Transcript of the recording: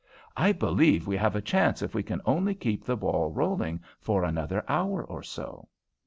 "I believe we have a chance if we can only keep the ball rolling for another hour or so."